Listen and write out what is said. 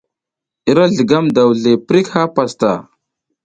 I ra zligam daw zle prik ha pastaʼa.